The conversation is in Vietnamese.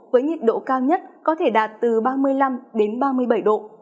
với nhiệt độ cao nhất có thể đạt từ ba mươi năm đến ba mươi bảy độ